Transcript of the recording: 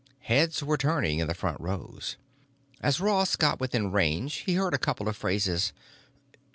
Heads were turning in the front rows. As Ross got within range he heard a couple of phrases.